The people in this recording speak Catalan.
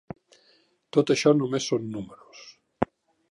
Tot això només són números.